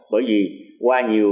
bởi vì qua nhiều